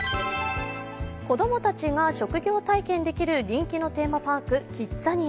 子供たちが職業体験できる人気のテーマパーク・キッザニア。